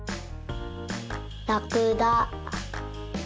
ラクダ。